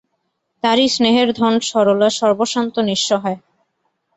তাঁরই স্নেহের ধন সরলা সর্বস্বান্ত নিঃসহায়।